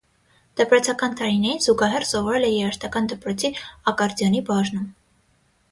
Դպրոցական տարիներին զուգահեռ սովորել է երաժշտական դպրոցի ակարդիոնի բաժնում։